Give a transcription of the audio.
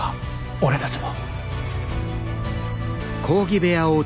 俺たちも。